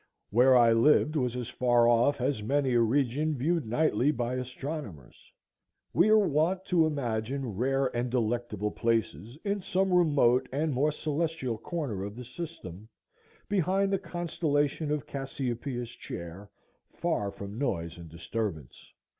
Where I lived was as far off as many a region viewed nightly by astronomers. We are wont to imagine rare and delectable places in some remote and more celestial corner of the system, behind the constellation of Cassiopeia's Chair, far from noise and disturbance.